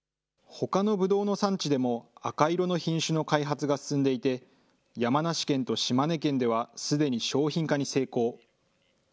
ほかのブドウの産地でも赤色の品種の開発が進んでいて、山梨県と島根県ではすでに商品化に成功。